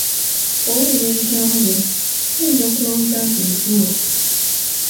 Bw'owulira ebigambo bino, oyinza okulowooza nti bituufu.